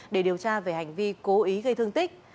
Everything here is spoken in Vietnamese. để điều tra về hành vi cố ý gây thương tích